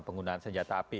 penggunaan senjata api